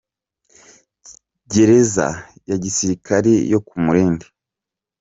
– Gereza ya gisirikari yo ku Murindi,